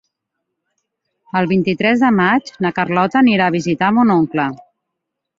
El vint-i-tres de maig na Carlota anirà a visitar mon oncle.